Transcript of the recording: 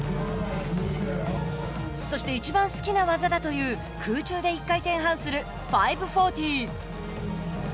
そしていちばん好きな技だという空中で１回転半する５４０。